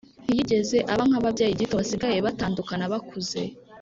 ntiyigeze aba nka ba babyeyi gito basigaye batandukana bakuze,